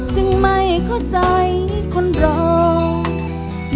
จึงไม่เข้าใจคนรอง